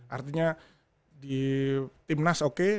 artinya di timnas oke